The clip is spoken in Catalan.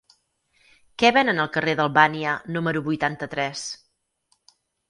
Què venen al carrer d'Albània número vuitanta-tres?